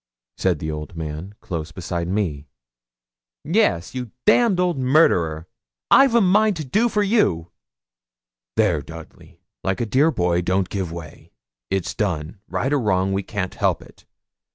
said the old man, close beside me. 'Yes, you damned old murderer! I've a mind to do for you.' 'There, Dudley, like a dear boy, don't give way; it's done. Right or wrong, we can't help it.